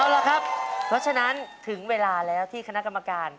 เอาล่ะครับเพราะฉะนั้นถึงเวลาแล้วที่คณะกรรมการ